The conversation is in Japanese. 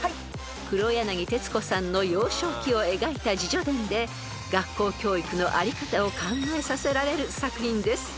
［黒柳徹子さんの幼少期を描いた自叙伝で学校教育の在り方を考えさせられる作品です］